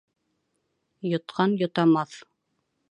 Йотҡан йотамаҫ.